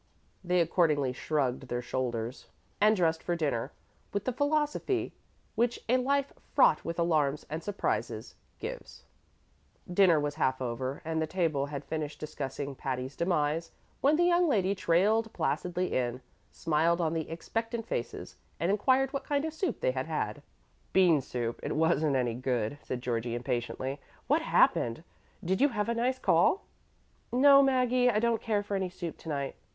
They accordingly shrugged their shoulders and dressed for dinner with the philosophy which a life fraught with alarms and surprises gives. DINNER was half over, and the table had finished discussing Patty's demise, when that young lady trailed placidly in, smiled on the expectant faces, and inquired what kind of soup they had had. "Bean soup; it wasn't any good," said Georgie, impatiently. "What happened? Did you have a nice call?" "No, Maggie, I don't care for any soup to night.